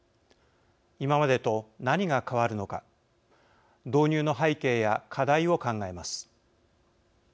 今までと何が変わるのか導入の背景や課題を考えます。